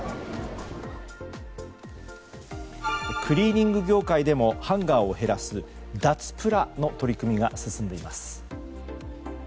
クリーニング業界でもハンガーを減らす脱プラの取り組みが進んでいます。